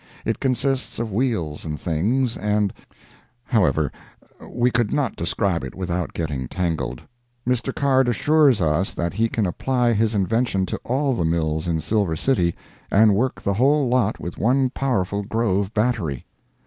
It consists of wheels and things, and—however, we could not describe it without getting tangled. Mr. Card assures us that he can apply his invention to all the mills in Silver City, and work the whole lot with one powerful Grove battery.